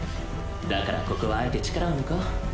だからここは敢えて力を抜こう。